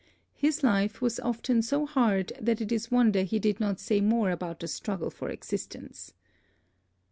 His life was often so hard that it is wonder he did not say more about the struggle for existence.